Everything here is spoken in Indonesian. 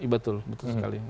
betul betul sekali